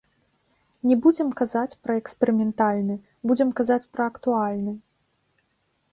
Не будзем казаць пра эксперыментальны, будзем казаць пра актуальны.